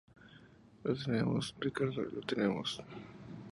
¡ lo tenemos, Ricardo, lo tenemos!